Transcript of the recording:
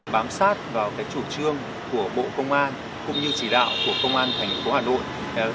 bám sát vào chủ trương của bộ công an cũng như chỉ đạo của công an thành phố hà nội